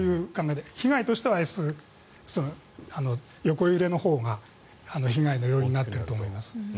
被害としては横揺れのほうが被害の要因になってると思います。